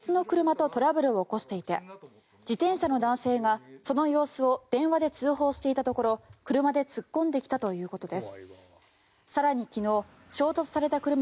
桜庭容疑者は別の車とトラブルを起こしていて自転車の男性がその様子を電話で通報していたところ車で突っ込んできたということです。